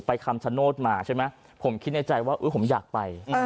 ไปคัมศโนนตมาผมคิดในใจว่าเอ๋อผมอยากไป